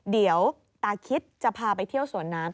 เดี๋ยวตาคิดจะพาไปเที่ยวสวนน้ำ